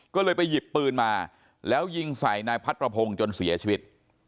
ก็เลยไปหยิบปืนมาแล้วยิงใส่นายพัดประพงศ์จนเสียชีวิต